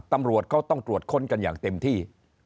ตำรวจเขาต้องตรวจค้นกันอย่างเต็มที่